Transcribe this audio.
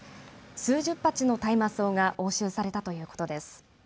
数十鉢の大麻草が押収されたということです。